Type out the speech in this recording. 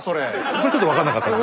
これちょっと分かんなかった。